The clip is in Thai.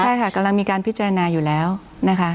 ใช่ค่ะกำลังมีการพิจารณาอยู่แล้วนะคะ